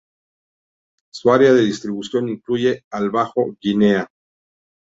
Su área de distribución incluye al bajo Guinea.